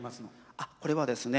あっこれはですね